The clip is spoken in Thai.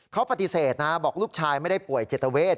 เขาปฏิเสธนะบอกลูกชายไม่ได้ป่วยจิตเวท